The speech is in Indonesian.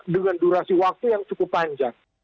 dengan durasi waktu yang cukup panjang